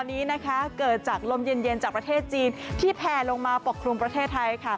ลมหนาวที่เราสัมผัสกันอยู่ตอนนี้เกิดจากลมเย็นจากประเทศจีนที่แพลลงมาปกครุมประเทศไทย